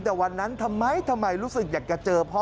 แต่วันนั้นทำไมทำไมรู้สึกอยากจะเจอพ่อ